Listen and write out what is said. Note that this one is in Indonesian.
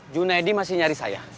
junedi masih nyari saya